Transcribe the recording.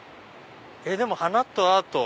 でも花とアート？